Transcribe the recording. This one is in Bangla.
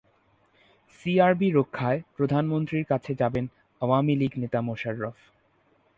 সিআরবি রক্ষায় প্রধানমন্ত্রীর কাছে যাবেন আওয়ামী লীগ নেতা মোশাররফ